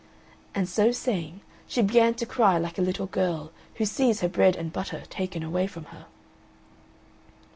And so saying she began to cry like a little girl who sees her bread and butter taken away from her.